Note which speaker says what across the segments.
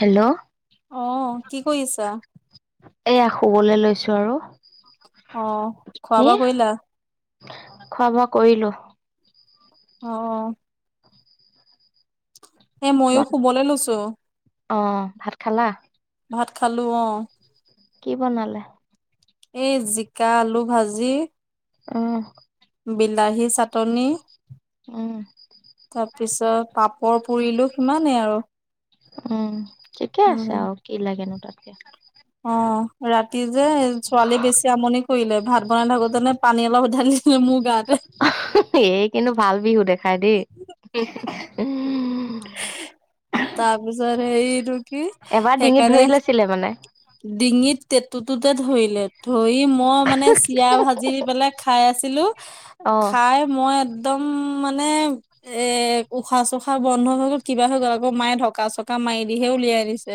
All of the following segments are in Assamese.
Speaker 1: হেল্ল'
Speaker 2: অ, কি কৰি আছা?
Speaker 1: এয়া শুবলে লৈছো আৰু।
Speaker 2: অ, খোৱা-বোৱা কৰিলা?
Speaker 1: খোৱা-বোৱা কৰিলো।
Speaker 2: অ, অ, অ। এ মইও
Speaker 1: তোমাৰ
Speaker 2: শুবলে লৈছো।
Speaker 1: অ, ভাত খালা?
Speaker 2: ভাত খালো, অ।
Speaker 1: কি বনালে?
Speaker 2: এই জিকা, আলু ভাজি
Speaker 1: অহ।
Speaker 2: বিলাহী চাটনি
Speaker 1: উম
Speaker 2: তাৰপিছত পাপৰ পুৰিলো সিমানেই আৰু।
Speaker 1: উম, ঠিকে আছে
Speaker 2: উম
Speaker 1: আও। কি লাগেনো তাতকে?
Speaker 2: অ ৰাতি যে, ছোৱালী বেছি আমনি কৰিলে ভাত বনাই থাকোতে নে পানী অলপ ধালিছিলে মোৰ গাতে।
Speaker 1: [unintelligible] এই কিন্তু ভাল বিহু দেখাই দেই।
Speaker 2: তাৰপিছত হেই এইটো কি সেইকাৰণে
Speaker 1: ছিলে মানে।
Speaker 2: ডিঙিত টেঁটুটোতে ধৰিলে। ধৰি মই মানে চিৰা ভাজি পেলাই খাই আছিলো।
Speaker 1: অ।
Speaker 2: খাই মই একদম মানে এ উশাহ চোখ খা বন্ধ হৈ গল, কিবা হৈ গ'ল আকৌ। মায়ে ঢকা-চকা মাৰি দিহে উলিয়াই দিছে।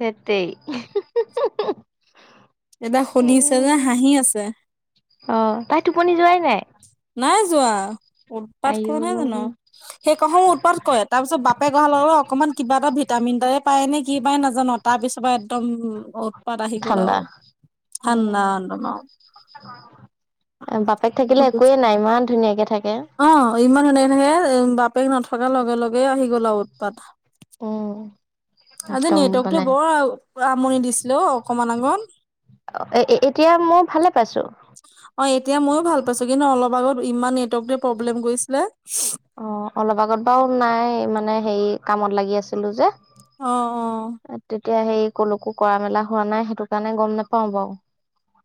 Speaker 1: হেট তেৰি [unintelligible]
Speaker 2: এতিয়া শুনিছে যে হাঁহি আছে।
Speaker 1: অ, তাই টোপনি যোৱাই নাই?
Speaker 2: নাই যোৱা। উৎপাত
Speaker 1: আইও
Speaker 2: কৰা নাই জানো। সেই ক [unintelligible] উৎপাত কৰে। তাৰপিছত বাপেক অহা লগালগ অকমান কিবা এটা ভিটামিন এটায়ে পায় নে কি পায় নাজ মতা পিছৰ পৰা একদম উৎপাত আহি গ'ল
Speaker 1: ঠাণ্ডা
Speaker 2: আৰু ঠাণ্ডা
Speaker 1: উম
Speaker 2: একদম আও।
Speaker 1: বাপেক থাকিলে একোৱে নাই ইমান ধুনীয়াকে থাকে।
Speaker 2: অ ইমান ধুনীয়াকে থাকে। বাপেক নথকাৰ লগে লগে আহি গ'ল আৰু উৎপাত।
Speaker 1: উম,
Speaker 2: আজি
Speaker 1: একদম
Speaker 2: নেটৱৰ্কটো
Speaker 1: মানে
Speaker 2: বৰ আমনি দিছিলে অ অকমান আগত।
Speaker 1: অ এ এতিয়া মোৰ ভালে পাইছো।
Speaker 2: অ এতিয়া ময়ো ভাল পাইছো। কিন্তু অলপ আগত ইমান নেটৱৰ্কটোৱে প্ৰব্লেম কৰিছিলে।
Speaker 1: অ অলপ আগত বাও নাই মানে হেৰি কামত লাগি আছিলো যে।
Speaker 2: অ, অ।
Speaker 1: তেতিয়া সেই কলকো কৰা মেলা হোৱা নাই সেইটো কাৰণে গম নোপাও বাও।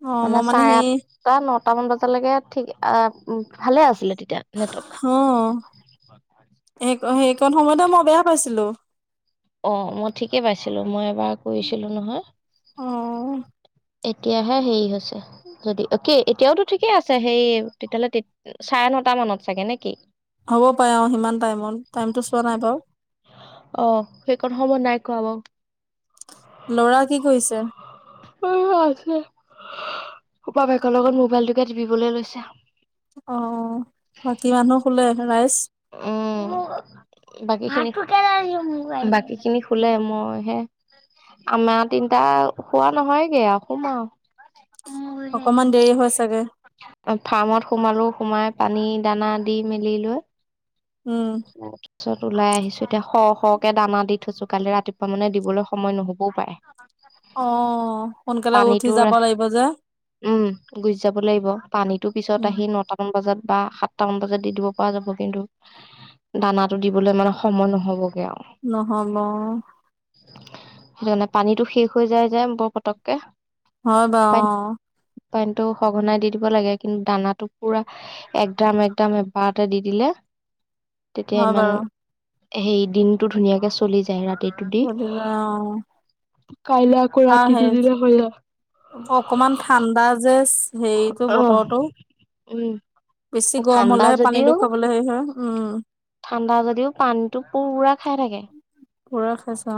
Speaker 2: অ
Speaker 1: মানে
Speaker 2: মই
Speaker 1: চাৰে
Speaker 2: সেই
Speaker 1: আঠটা নটা মান বজালৈকে ঠিকে এ ভালে আছিলে তেতিয়া। নেটৱৰ্ক
Speaker 2: অ সেইকন সেইকণ সময়তে মই বেয়া পাইছিলো।
Speaker 1: অ মই ঠিকেই পাইছিলোঁ মই এবাৰ কৰিছিলোঁ নহয়।
Speaker 2: অ।
Speaker 1: [inaudible] এতিয়াহে হেৰি হৈছে। যদি অ কি এতিয়াওতো ঠিকে আছে। হেই তেতিয়াহ'লে চাৰ নটা মানত চাগে নে কি?
Speaker 2: হ'ব পাৰে অ সিমান টাইমত। টাইমটো চোৱা নাই বাও।
Speaker 1: অ সেইকণ সময় নাই কোৱা বাও।
Speaker 2: লৰা কি কৈছে?
Speaker 1: উ আছে বাপেকৰ লগত মোবাইলটোকে টিপিবলে লৈছে।
Speaker 2: অ বাকী মানুহ শুলে ৰাইচ?
Speaker 1: উম। বাকী খিনি বাকী খিনি শুলে মই হে আমা তিন তা শুৱা নহয়গে আও শুম আও।
Speaker 2: অকমান দেৰি হয় চাগে।
Speaker 1: ফাৰ্মত সোমালো সোমাই পানী দানা দি মেলি লৈ
Speaker 2: উম।
Speaker 1: অ। ছত ওলাই আহিছো এতিয়া শ শকে দানা দি থৈছো কালি ৰাতিপুৱা মানে দিবলে সময় নহবও পায়।
Speaker 2: অ সোনকালে উঠি যাব লাগিব যে।
Speaker 1: উম গুচি যাব লাগিব পানীতো পিছত
Speaker 2: উম
Speaker 1: আহি নটাত কম বাজত বা সাতটামান বজাত দি দিব পৰা যাব কিন্তু। দানাটো দিবলৈ মানে সময় নহবগে আও।
Speaker 2: নহ'ব।
Speaker 1: সেইটো কাৰণে পানীতটো শেষ হৈ যায় যে বৰ পতককে।
Speaker 2: হয় বাও অ।
Speaker 1: পানীটো সঘনাই দি দিব লাগে কিন্তু দানাটো পুৰা। একদাম একদাম এবাৰটা দি দিলে।
Speaker 2: অ
Speaker 1: তেতিয়া
Speaker 2: হয়
Speaker 1: ইমান
Speaker 2: বাৰু
Speaker 1: সেই দিনটো ধুনীয়াকে চলি যায় ৰাতিত।
Speaker 2: অ
Speaker 1: কাইলৈ আকৌ
Speaker 2: আৰু
Speaker 1: ৰাতি
Speaker 2: সেই
Speaker 1: দি দিলে হৈলা।
Speaker 2: অকমান ঠাণ্ডা যে হেৰিটো
Speaker 1: অ',
Speaker 2: বতৰটো
Speaker 1: উম,
Speaker 2: বেছি গৰম
Speaker 1: ঠাণ্ডা
Speaker 2: হলেহে
Speaker 1: যদিও
Speaker 2: পানীটো খাবলৈ সেই হয়, উম।
Speaker 1: ঠাণ্ডা যদিও পানীটো পুৰা খাই থাকে।
Speaker 2: পুৰা খাইচে অ।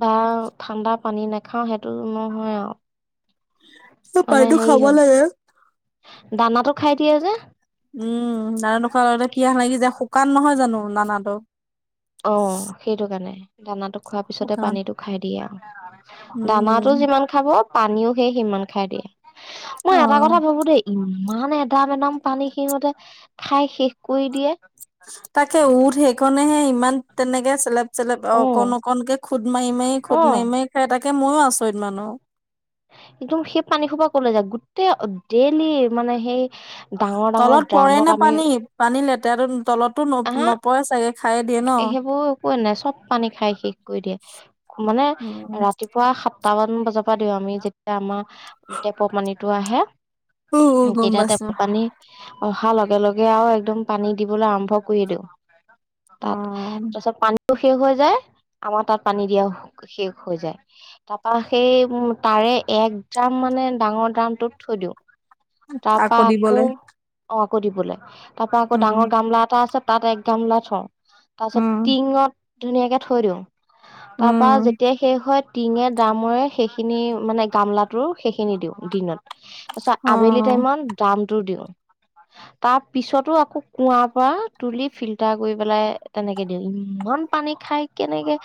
Speaker 1: বাও ঠাণ্ডা পানী নাখাও সেইটো নহয় আও।
Speaker 2: সে পানীটো খাব লাগে এ
Speaker 1: দানাটো খাই দিয়ে যে।
Speaker 2: উম দানা নোখোৱা কাৰণে পীয়াহ লাগি যায় শুকান নহয় জানো দানাটো।
Speaker 1: অ সেইটো কাৰণে দানাটো খোৱাৰ পিছতে
Speaker 2: শুকান
Speaker 1: পানীটো খাই দিয়ে আও।
Speaker 2: উম
Speaker 1: দানাটো
Speaker 2: উম
Speaker 1: যিমান খাব পানীও সেই সিমান খাই দিয়ে।
Speaker 2: অ
Speaker 1: মই এটা কথা ভাবো দেই ইম- ইমান এদাম এদাম পানী সিহতে খাই শেষ কৰি দিয়ে।
Speaker 2: তাকে উঠ সেইখনেহে ইমান তেনেকে চেলেপ চেলেপ
Speaker 1: অ
Speaker 2: অকন অকনকে খুদ মাৰি মাৰি
Speaker 1: অ
Speaker 2: খুদ মাৰি মাৰি খাই তাকে ময়ো আচৰিত মানোহ।
Speaker 1: একদম সেই পানী খোপা কলে যাক গোটেই ডেইলি মানে সেই ডাঙৰ ডাঙৰ
Speaker 2: তলত পৰে
Speaker 1: ড্ৰামত
Speaker 2: নে
Speaker 1: আমি
Speaker 2: পানী পানী লেতেৰাটো তলতো ন
Speaker 1: আহা
Speaker 2: নপৰে চাগে খায় দিয়ে ন।
Speaker 1: পয় নাই চব পানী খাই শেষ কৰি দিয়ে মানে
Speaker 2: উম
Speaker 1: ৰাতিপুৱা সাত দুটামান বজাৰ পৰা দিওঁ আমি যেতিয়া আমাৰ টেপৰ পানীটো আহে।
Speaker 2: উম
Speaker 1: হম,
Speaker 2: গম
Speaker 1: কেতিয়া টেপ
Speaker 2: পাইছো
Speaker 1: পানী অহা লগে -লগে আওঁ একদম পানী দিবলে আৰম্ভ কৰি দিওঁ। তাত
Speaker 2: অ
Speaker 1: তাৰছত পান ত'শেষ হৈ যায় আমাৰ তাত পানী দিয়া শেষ হৈ যায় তাৰপা সেই তাৰে এক দ্ৰামটো মানে ডাঙৰ দ্ৰামটোত থৈ দিওঁ তাৰ পা আকৌ অ আকৌ দিবলৈ তাৰ পা আকৌ
Speaker 2: উম
Speaker 1: ডাঙৰ গামলা এটা আছে তাত এক গামলা থওঁ। তাছত
Speaker 2: উম
Speaker 1: টিঙত ধুনীয়াকে থৈ দিও তাৰ পা
Speaker 2: উম
Speaker 1: যেতিয়া শেষ হয় টিঙে দ্ৰামৰে সেইখিনি মানে গামলাটোৰ সেইখিনি দিওঁ দিনত। তাছত
Speaker 2: অ
Speaker 1: আবেলিত টেমান দ্ৰামটো দিওঁ। তাৰ পিছতো আকৌ কুঁৱাৰ পৰা তুলি ফিল্টাৰ কৰি পেলাই তেনেকে দিল ইমান পানী খাই কেনেকে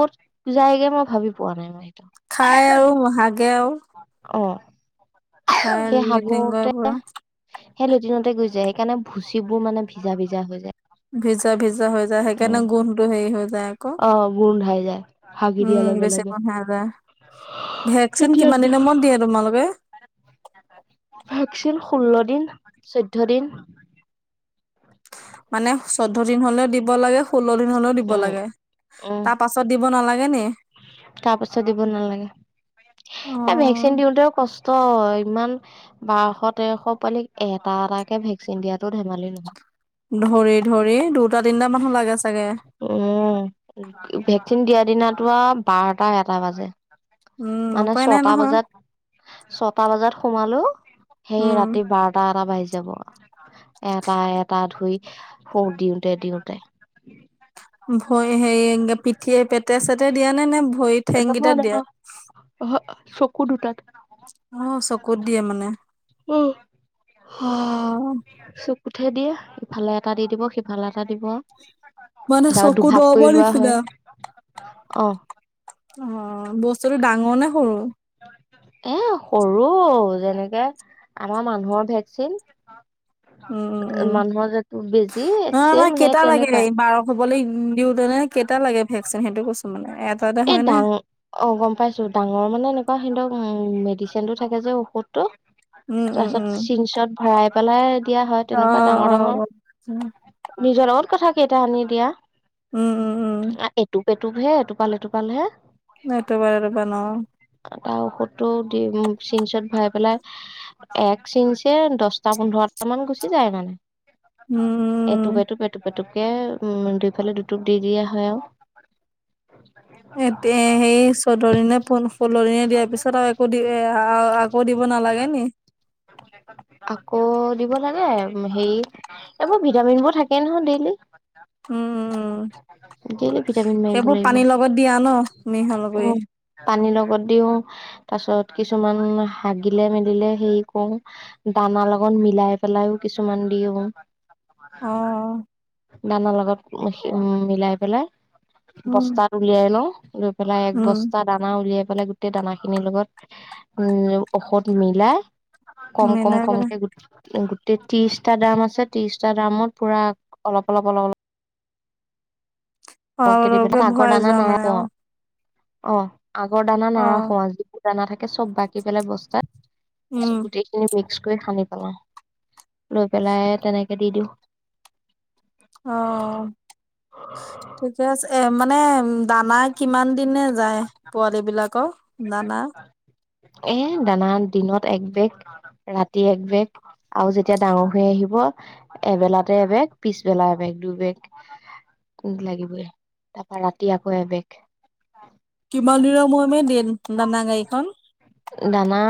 Speaker 1: ক'ত যায়গে মই ভাবি পোৱা নাই মই সেইটো।
Speaker 2: খাই আওঁ হাগে আওঁ।
Speaker 1: অ, সে
Speaker 2: লেট্ৰিন কৰে
Speaker 1: সাগুতে
Speaker 2: পুৰা
Speaker 1: সেই লেটিনতে গুই যায় সেইকাৰণে ভুচি বোৰ মানে ভিজা-ভিজা হৈ যায়।
Speaker 2: ভিজা -ভিজা হৈ যায় সেইকাৰণে
Speaker 1: উম
Speaker 2: গোন্ধ টো হেৰি হৈ যায়। আকৌ
Speaker 1: অ, গুন্ধাই যায়। হাগি দিয়াৰ
Speaker 2: উম,
Speaker 1: লগে
Speaker 2: বেছি
Speaker 1: লগে
Speaker 2: [unintelligible] ভেকচিন
Speaker 1: এতিয়া
Speaker 2: কিমান দিনৰ মুৰত দিয়ে তোমালোকে?
Speaker 1: ভেকচিন ষোল্ল দিন চৈধ্য দিন।
Speaker 2: মানে চৈধ্য দিন হ'লে দিব লাগে ষোল্ল দিন হ'লেও দিব
Speaker 1: উম
Speaker 2: লাগে তাৰ পা পাছত দিব নালাগে নি?
Speaker 1: তা পাচত দিব নালাগে।
Speaker 2: অ
Speaker 1: এ ভেকচিন দিওঁতেও কষ্ট ইমান বাৰশ, তেৰশ পোৱালিক এটা -এটাকে ভেকচিন দিয়াতো ধেমালি নহয়।
Speaker 2: ধৰি- ধৰি দুটা, তিনিটা মানুহ লাগে চাগে।
Speaker 1: উম, ভেকচিন দিয়া দিনাতো আৰু বাৰটা এটা বাজে।
Speaker 2: উম
Speaker 1: মানে
Speaker 2: উপায় নাই
Speaker 1: ছটা
Speaker 2: নহয়
Speaker 1: বজাত ছটা বজাত সোমালো সেই
Speaker 2: উম
Speaker 1: ৰাতি বাৰটা, এটা বাজি যাব। এটা- এটা ধুই শো দিওঁতে-দিওঁতে।
Speaker 2: ভৰি হেৰি পিঠিয়ে পেতে- চেতে দিয়া নে- নে ভৰিত?
Speaker 1: নহ-নহ অহ, চকু দুটাত।
Speaker 2: অ, চকুত দিয়ে মানে।
Speaker 1: উম,
Speaker 2: অ',
Speaker 1: [unintelligible] চকুত হে দিয়ে ইফালে এটা দি দিব সিফালে এটা দিব।
Speaker 2: মানে
Speaker 1: তাৰপা
Speaker 2: চকু
Speaker 1: দুভাগ কৰি
Speaker 2: দৰবৰ
Speaker 1: লোৱা হয়।
Speaker 2: নিচিনা? অ,
Speaker 1: অ',
Speaker 2: বস্তুতো ডাঙৰ নে সৰু?
Speaker 1: [unintelligible] এ সৰু যেনেকে আমাৰ মানুহৰ ভেকচিন।
Speaker 2: উম, উম, উম।
Speaker 1: মানুহৰ যে বেজি ছেম সে তেনেকুৱা।
Speaker 2: হ'বলে ইন দিওঁতে [unintelligible] কেইটা লাগে ভেকচিন সেইটো কৈছো মানে এটাতে
Speaker 1: এ
Speaker 2: হয় নে?
Speaker 1: ডাঙ অ, গম পাইছোঁ ডাঙৰ মানে এনেকুৱা সিন্তক উম মেডিচিনটো থাকে যে ঔষধটো।
Speaker 2: উম, উম, উম।
Speaker 1: তাৰছত চিংচত ভৰাই পেলাই দিয়া হয়
Speaker 2: অ',
Speaker 1: তেনেকুৱা ডাঙৰ
Speaker 2: অ', গম পাইছো।
Speaker 1: -ডাঙৰ নিজৰ লগত কথা কেইটা আনি দিয়া।
Speaker 2: উম, উম, উম,
Speaker 1: আ, এটুপ -এটুপ হে এটোপাল -এটোপাল হে।
Speaker 2: এইটো বাৰ এইটো বাৰ ন'।
Speaker 1: তাৰ ঔষধটো দিম চিংচত ভৰাই পেলাই। এক চিঞ্চে দছটা পোন্ধৰটা মান গুচি যায় মানে।
Speaker 2: উম-উম
Speaker 1: এটুপ -এটুপ -এটুপ এটুপকে উম দুইফালে দুটুপ দি দিয়া হয় আৰু।
Speaker 2: এ তে সেই চৌধ্য দিনে পোন ষোল্ল দিনে দিয়াৰ পিছত আৰু একো দি [unintelligible] আকৌ দিব নালাগে নি?
Speaker 1: আকৌ দিব লাগে হেই এইবোৰ ভিটামিনবোৰ থাকেই নহয় ডেইলি।
Speaker 2: উম,
Speaker 1: ডেইলি ভিটামিন মাৰিব
Speaker 2: সেইবোৰ
Speaker 1: লাগিব
Speaker 2: পানীৰ লগত দিয়া ন মিহল কৰি?
Speaker 1: উম, পানীৰ লগত দিওঁ, তাৰ পাছত কিছুমান হাগিলে মেলিলে হেই কও। দানা লগত মিলাই পেলাইও কিছুমান দিও।
Speaker 2: অ'।
Speaker 1: দানৰ লগত [unintelligible] উম, মিলাই পেলাই বস্তাত উলিয়াই নও লৈ পেলাই এক বস্তাত দানা উলিয়াই পেলাই গোটেই দানা খিনিৰ লগত উম, ঔষধ মিলাই
Speaker 2: মিলাই পেলাই
Speaker 1: কম-কম-কমকে গোট গোটেই ত্ৰিছটা দাম আছে ত্ৰিছটা দামত পুৰা অলপ-অলপ-অলপ -অল
Speaker 2: অ
Speaker 1: সৰহকে দি পেলাই, আগৰ
Speaker 2: ভয়
Speaker 1: দানা
Speaker 2: যোৱা
Speaker 1: নাই
Speaker 2: মানে অ
Speaker 1: পোৱা। অ আগৰ দানা
Speaker 2: অ
Speaker 1: নাৰাখো আ। যিবোৰ দানা থাকে চব বাকি পেলাই বস্তাত
Speaker 2: উম
Speaker 1: তাপাছত গোটেই মিক্স কৰি সানি পেলা, লৈ পেলাই তেনেকে দি দিওঁ।
Speaker 2: অ ঠিকে আছে। এ মানে দানা কিমান দিনে যায় পোৱালিবিলাকৰ দানা?
Speaker 1: এ দানা দিনত এক বেগ ৰাতি এক বেগ আৰু যেতিয়া ডাঙৰ হৈ আহিব এবেলাতে এবেগ, পিছবেলা এবেগ দুবেগ। ওহ লাগিবই তাৰপা ৰাতি আকৌ এবেগ।
Speaker 2: কিমান দিনৰ মোৱে মোৱে দিয়ে নো দানা গাড়ীখন?
Speaker 1: দানা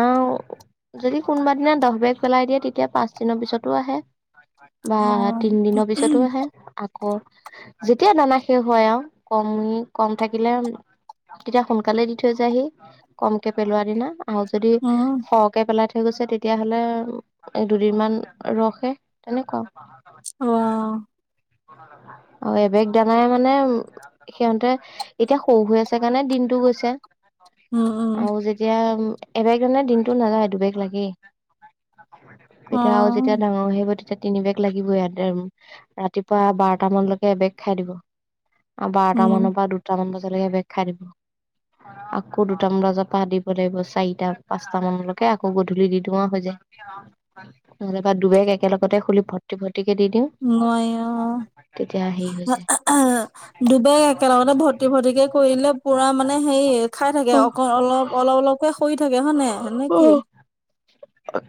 Speaker 1: যদি কোনবা দিনা দহ বেগ পেলাই দিয়ে তেতিয়া পাঁচ দিনৰ পিছতো আহে। বা
Speaker 2: অ
Speaker 1: তিনদিনৰ পিছতো আহে। আকৌ যেতিয়া দানা শেষ হয় আও। কম কম থাকিলে তেতিয়া সোনকালে দি থৈ যায়হি কমকে পেলোৱা দিনা আও যদি
Speaker 2: উম
Speaker 1: সৰহকে পেলাই থ থৈ গৈছে তেতিয়াহ'লে এক দুদিন মান ৰখে তেনেকুৱা।
Speaker 2: অ
Speaker 1: আও এবেগ দানাৰে মানে সিহঁতে এতিয়া সৰু হৈ আছে কাৰণে দিনটো গৈছে।
Speaker 2: উম উম
Speaker 1: আৰু যেতিয়া এবেগ হ'লে দিনটো নাযায়, দুবেগ লাগেই।
Speaker 2: অ
Speaker 1: তেতিয়া আও যেতিয়া ডাঙৰ হয় আহিব তেতিয়া তিনিবেগ লাগিব ইয়াত আৰু ৰাতিপুৱা বাৰটা মানলৈকে এবেগ খাই দিব। বাৰটা মানৰ
Speaker 2: উম
Speaker 1: পৰা দুটামান বজালৈকে এবেগ খাই দিব। আকৌ দুটামান বজাত পা দিব লাগিব চাৰিটা পাঁচটা মানলৈকে। আকৌ গধূলি দি দিও আও হৈ যায়। নহ'লেবা দুবেগ একেলগতে খুলি ভৰ্তি ভৰ্তিকে দি দিম।
Speaker 2: নোৱাৰি অ
Speaker 1: হৈ যায়
Speaker 2: [unintelligible] দুবেগ একেলগতে ভৰ্তি ভৰ্তিকে কৰিলে পুৰা মানে হেই খাই থাকে আও অক অলপ অলপ অলপকে সৰি থাকে। হয় নাই হয় নে কি?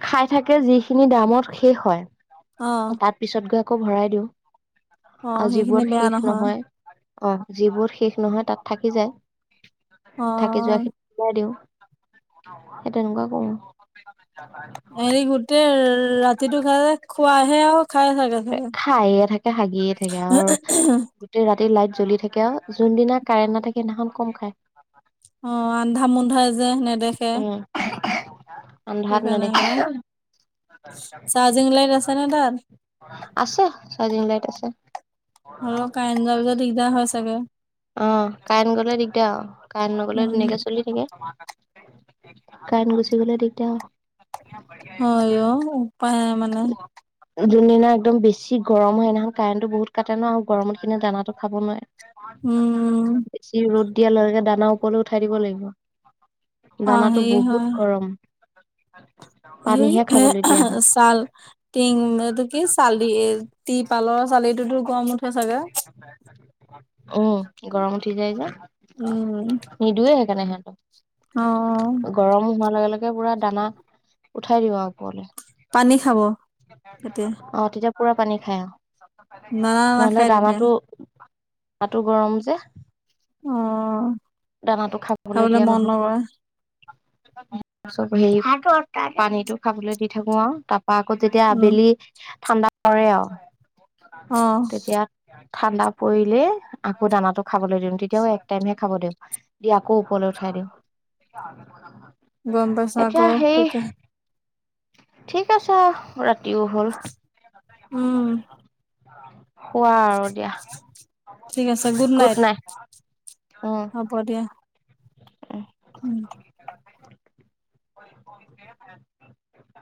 Speaker 1: খাই থাকে যিখিনি ড্ৰামত শেষ হয়
Speaker 2: অ
Speaker 1: তাত পিছত গৈ আকৌ ভৰাই দিওঁ
Speaker 2: অ
Speaker 1: আৰু
Speaker 2: সেইখিনি
Speaker 1: যিবোৰত
Speaker 2: বেয়া
Speaker 1: শেষ নহয় অ যিবোৰত শেষ নহয় তাত থাকি যায়।
Speaker 2: অ
Speaker 1: থাকি যোৱাখিনি উলিয়াই দিওঁ সেই তেনেকুৱা কৰো। [unintelligible]
Speaker 2: হেৰি গোটেই ৰাতিটো খাই খোৱাহে আও খাই থাকে। চাগে
Speaker 1: খাইয়ে থাকে হাগিয়ে থাকে আও গোটেই ৰাতি লাইট জ্বলি থাকে আও। যোনদিনা কাৰেণ্ট নাথাকে সেইদিনাখন কম খায়।
Speaker 2: অ আন্ধা মুন্ধা যে নেদেখে।
Speaker 1: উম আন্ধাৰত
Speaker 2: সেইকাৰণে আৰু
Speaker 1: নেদেখে [unintelligible]
Speaker 2: চাৰ্জিং লাইট আছে নে তাত
Speaker 1: আছো ছয় দিম লাইট আছে।
Speaker 2: হলেও কাৰেণ্ট যোৱা পিছত দিগদাৰ হয় চাগে।
Speaker 1: অ কাৰেণ্ট গলে দিগদাৰ আও। কাৰেণ্ট নগলে
Speaker 2: উম
Speaker 1: ধুনীয়াকে চলি থাকে। কাৰেণ্ট গুচি গ'লে দিগদাৰ আও।
Speaker 2: হয় অ‌ উপাই নাই মানে।
Speaker 1: যোনদিনা একদম বেছি গৰম হয়, সেইদিনাখন কাৰেণ্টটো বহুত কাটে ন আৰু গৰমত কিন্তু দানাটো খাব নোৱাৰে। [unintelligible]
Speaker 2: উম।
Speaker 1: বেছি ৰ'দ দিয়া লগ লগে দানা ওপৰলে উঠাই দিব লাগিব।
Speaker 2: অ
Speaker 1: দানাটো
Speaker 2: হেৰি
Speaker 1: বহুত গৰম।
Speaker 2: হেই
Speaker 1: পানীহে খাবলৈ দিয়া হয়।
Speaker 2: চাল, টিং, এইটো কি? কি চালি তিৰপালৰ চালিটোতো গম উঠে চাগে?
Speaker 1: [unintelligible] উম গৰম উঠি যায় যে,
Speaker 2: উম
Speaker 1: নিদোৱে সেইকাৰণে সিহঁতক।
Speaker 2: অ।
Speaker 1: গৰম হোৱাৰ লগে লগে পুৰা দানা উঠাই দিওঁ ওপলে।
Speaker 2: পানী খাব তেতিয়া
Speaker 1: অ তেতিয়া পুৰা পানী খাই অহ।
Speaker 2: নানা
Speaker 1: নহলে
Speaker 2: নাখায় তেতিয়া
Speaker 1: দানাটো তাতো গৰম যে।
Speaker 2: অ',
Speaker 1: দানাটো খাবলৈ দিয়া
Speaker 2: মন
Speaker 1: নহয়।
Speaker 2: নকৰে
Speaker 1: চব হেৰি পানীটো খাবলৈ দি থাকো আৰু ত- পাৰ্কত যেতিয়া
Speaker 2: উম,
Speaker 1: আবেলি ঠাণ্ডা কৰে আৰু
Speaker 2: অ',
Speaker 1: তেতিয়া, ঠাণ্ডা পৰিলে আকৌ দানাটো খাবলৈ দিওঁ। তেতিয়াও এক টাইমহে খাব দিওঁ। দি আকৌ ওপৰলৈ উঠাই দিওঁ।
Speaker 2: গম পাইছো
Speaker 1: এতিয়া
Speaker 2: আকৌ
Speaker 1: সেই
Speaker 2: শুকা
Speaker 1: ঠিক আছে ৰাতিও হল।
Speaker 2: উম।
Speaker 1: অ। শুৱা আৰু দিয়া,
Speaker 2: ঠিক আছে গুড নাইট
Speaker 1: গোড নাইট উম।
Speaker 2: হব দিয়া। উম।
Speaker 1: [unintelligible]